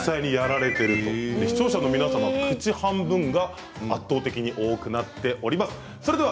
視聴者の皆さんは口半分が圧倒的に多くなっています。